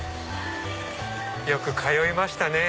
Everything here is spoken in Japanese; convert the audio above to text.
よく通いましたね。